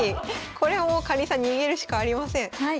これはもうかりんさん逃げるしかありません。